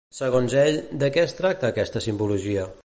Segons ell, de què es tracta aquesta simbologia?